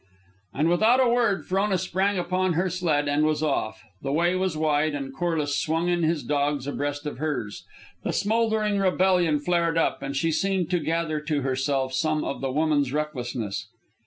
And without a word Frona sprang upon her sled and was off. The way was wide, and Corliss swung in his dogs abreast of hers. The smouldering rebellion flared up, and she seemed to gather to herself some of the woman's recklessness.